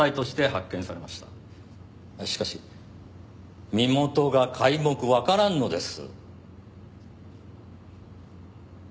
しかし身元が皆目わからんのです。